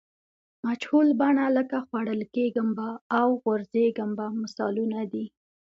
مجهول بڼه لکه خوړل کیږم به او غورځېږم به مثالونه دي.